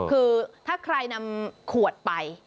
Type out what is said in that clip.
คือถ้าใครนำขวดไป